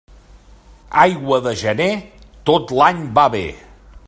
Aigua de gener, tot l'any va bé.